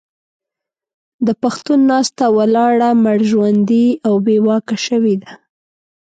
د پښتون ناسته او ولاړه مړژواندې او بې واکه شوې ده.